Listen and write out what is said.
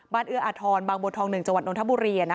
บ้านเอื้ออทรบางบททอง๑จนธบุเรีย